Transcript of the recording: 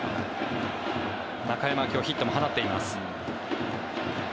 中山は今日ヒットを放っています。